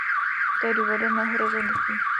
To je důvodem mého rozhodnutí.